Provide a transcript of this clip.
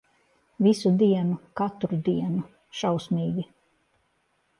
Visu dienu, katru dienu. Šausmīgi.